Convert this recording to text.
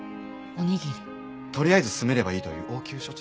とりあえず住めればいいという応急処置でした。